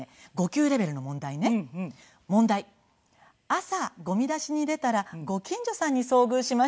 朝ゴミ出しに出たらご近所さんに遭遇しました。